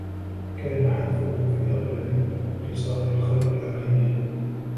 كَانَ حَتْفُهُ فِي أَغْلَبِ خِصَالِ الْخَيْرِ عَلَيْهِ